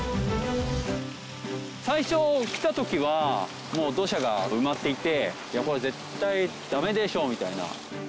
最初来た時はもう土砂が埋まっていていやこれ絶対ダメでしょみたいな。